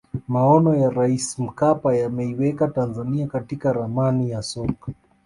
maono ya raisi mkapa yameiweka tanzania katika ramani ya soka